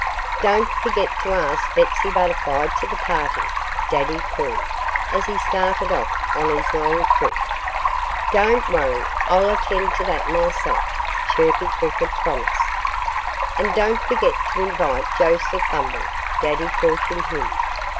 "Don't forget to ask Betsy Butterfly to the party!" Daddy called, as he started off on his long trip. "Don't worry! I'll attend to that myself," Chirpy Cricket promised. "And don't forget to invite Joseph Bumble!" Daddy cautioned him.